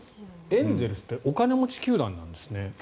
エンゼルスってお金持ち球団なんですね。